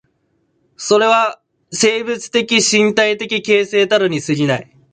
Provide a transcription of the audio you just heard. それは生物的身体的形成たるに過ぎない。